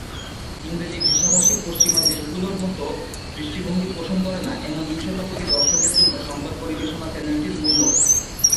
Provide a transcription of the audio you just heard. ইংরেজি ভাষাভাষী পশ্চিমা দেশগুলোর মত দৃষ্টিভঙ্গি পোষণ করে না এমন দুইশত কোটি দর্শকের জন্য সংবাদ পরিবেশনা চ্যানেলটির মূল লক্ষ্য।